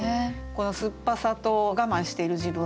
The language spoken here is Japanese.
この酸っぱさと我慢している自分っていうのと。